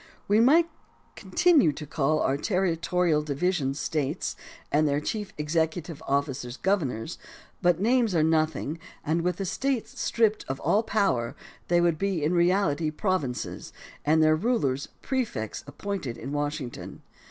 We might continue to call our territorial divisions States, and their chief executive ofiicers governors, but names are nothing and with the States stripped of all power they would be in reality provinces and their rulers prefects appointed in Wash ington.